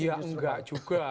ya enggak juga